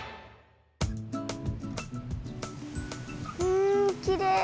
うんきれい。